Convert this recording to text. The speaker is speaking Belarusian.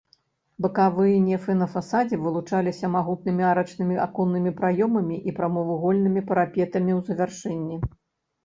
Бакавыя нефы на фасадзе вылучаліся магутнымі арачнымі аконнымі праёмамі і прамавугольнымі парапетамі ў завяршэнні.